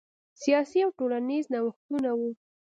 سیاسي او ټولنیز نوښتونه وو.